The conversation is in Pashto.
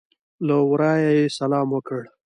له ورایه یې سلام وکړ.